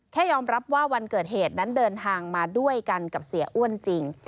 ยอมรับว่าวันเกิดเหตุนั้นเดินทางมาด้วยกันกับเสียอ้วนจริง